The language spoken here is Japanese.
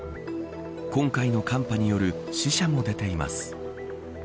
今回の寒波による死者も出ています。